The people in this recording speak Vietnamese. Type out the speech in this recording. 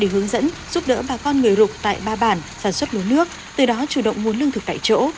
hướng dẫn giúp đỡ bà con người rục tại ba bản sản xuất lúa nước từ đó chủ động nguồn lương thực tại chỗ